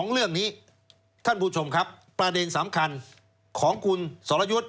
เรื่องนี้ท่านผู้ชมครับประเด็นสำคัญของคุณสรยุทธ์